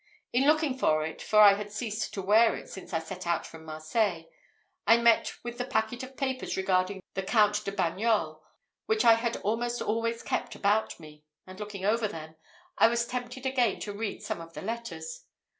In looking for it, for I had ceased to wear it since I set out for Marseilles, I met with the packet of papers regarding the Count de Bagnols, which I had almost always kept about me; and looking over them, I was tempted again to read some of the letters.